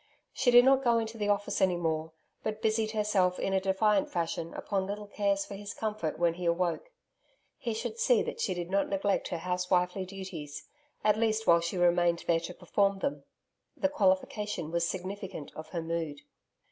She did not go into the Office any more, but busied herself in a defiant fashion upon little cares for his comfort when he awoke. He should see that she did not neglect her house wifely duties at least while she remained there to perform them. The qualification was significant of her mood.